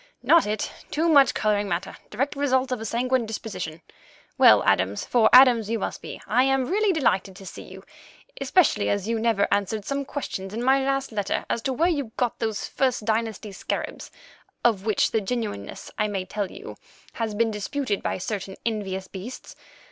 "Not it; too much colouring matter; direct result of a sanguine disposition. Well, Adams—for Adams you must be—I am really delighted to see you, especially as you never answered some questions in my last letter as to where you got those First Dynasty scarabs, of which the genuineness, I may tell you, has been disputed by certain envious beasts.